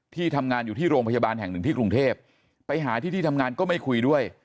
ที่ทำงานอยู่ที่โรงพยาบาลแห่งหนึ่งที่กรุงเทพไปหาที่ที่ทำงานก็ไม่คุยด้วย